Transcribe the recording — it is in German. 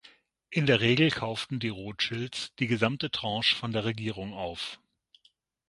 In der Regel kauften die Rothschilds die gesamte Tranche von der Regierung auf.